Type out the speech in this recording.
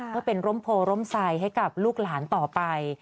ก็เป็นร่มโพร่ร่มใส่ให้กับลูกหลานต่อไป